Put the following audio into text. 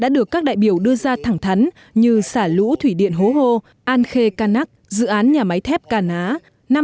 đại biểu đưa ra thẳng thắn như xả lũ thủy điện hố hô an khê ca nắc dự án nhà máy thép ca ná